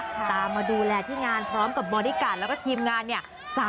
ตามมาดูแลที่งานพร้อมกับบอดี้การ์ดแล้วก็ทีมงานเนี่ย